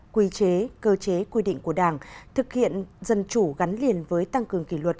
quy chế cơ chế quy định của đảng thực hiện dân chủ gắn liền với tăng cường kỷ luật